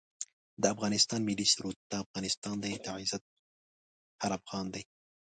د افغانستان ملي سرود دا افغانستان دی دا عزت هر افغان دی